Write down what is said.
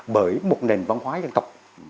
bởi một nền văn hóa dân tộc